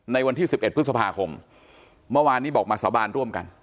ในวันที่๑๑พฤษภาคมเมื่อวานนี้บอกมาสาบานร่วมกัน